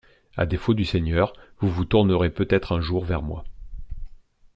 A défaut du Seigneur, vous vous tournerez peut-être un jour vers moi.